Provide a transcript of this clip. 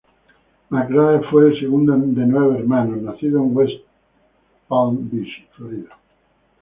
McCrae fue el segundo de nueve hermanos, nació en West Palm Beach, Florida.